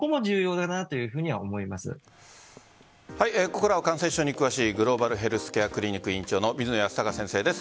ここからは感染症に詳しいグローバルヘルスケアクリニック院長の水野泰孝先生です。